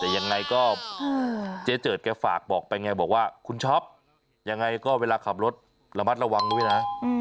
แต่ยังไงก็เจ๊เจิดแกฝากบอกไปไงบอกว่าคุณช็อปยังไงก็เวลาขับรถระมัดระวังด้วยนะ